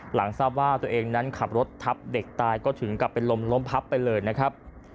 หลังทราบว่าตัวเองนั้นขับรถทับเด็กตายก็ถึงกลับเป็นลมล้มพับไปเลยนะครับ